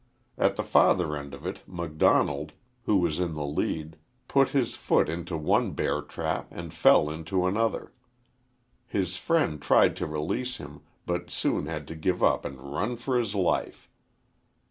At the farther end of it Macdonald, who was in the lead, put his foot in one bear trap and fell into another. His friend tried to release him, but soon had to give up and run for his life.